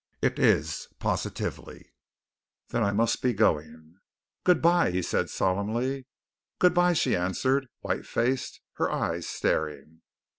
"It is positively." "Then I must be going." "Good bye," he said solemnly. "Good bye," she answered, white faced, her eyes staring.